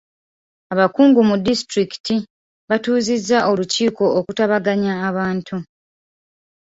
Abakungu ku disitulikiti batuuzizza olukiiko okutabaganya abantu.